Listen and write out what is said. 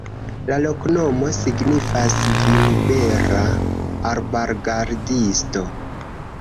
La loknomo signifas: vinbera-arbargardisto.